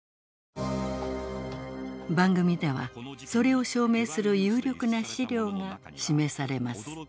番組ではそれを証明する有力な資料が示されます。